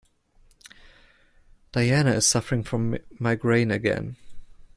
Diana is suffering from migraine again.